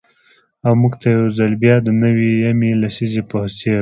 او مـوږ تـه يـو ځـل بـيا د نـوي يمـې لسـيزې پـه څـېر.